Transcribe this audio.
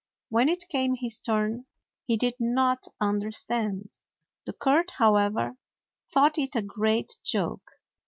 When it came his turn, he did not understand. The court, however, thought it a great joke.